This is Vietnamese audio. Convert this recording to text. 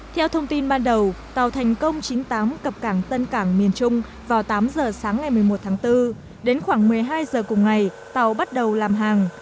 theo thông tin ban đầu tàu thành công chín mươi tám cập cảng tân cảng miền trung vào tám giờ sáng ngày một mươi một tháng bốn đến khoảng một mươi hai giờ cùng ngày tàu bắt đầu làm hàng